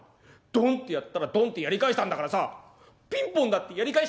ドンってやったらドンってやり返したんだからさピンポンだってやり返しに来るよ。